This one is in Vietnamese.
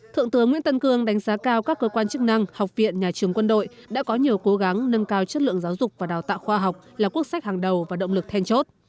thượng tướng nguyễn tân cương đánh giá cao các cơ quan chức năng học viện nhà trường quân đội đã có nhiều cố gắng nâng cao chất lượng giáo dục và đào tạo khoa học là quốc sách hàng đầu và động lực then chốt